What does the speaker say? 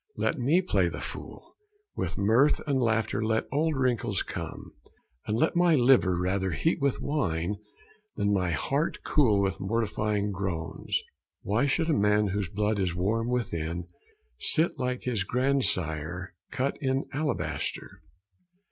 Let me play the fool: With mirth and laughter let old wrinkles come, And let my liver rather heat with wine Than my heart cool with mortifying groans. Why should a man whose blood is warm within Sit like his grandsire cut in alabaster?